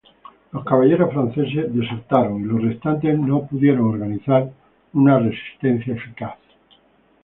Los caballeros franceses desertaron y los restantes no pudieron organizar una resistencia eficaz.